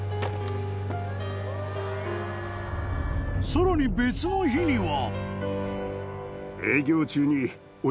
［さらに別の日には］